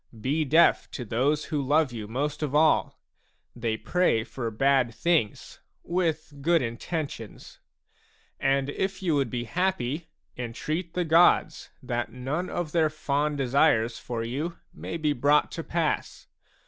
Be deaf to those who love you most of all ; they pray for bad things with good intentions. And, if you would be happy, entreat the gods that none of their fond desires for you may be brought to pass.